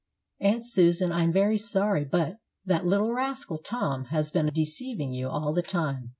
"Aunt Susan, I am very sorry; but that little rascal, Tom, has been deceiving you all the time.